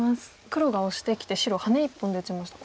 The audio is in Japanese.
黒がオシてきて白ハネ１本で打ちました。